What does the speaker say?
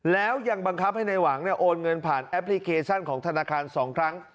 แล้วยังบังคับให้ในหวังโอนเงินผ่านแอปพลิเคชันของธนาคาร๒ครั้ง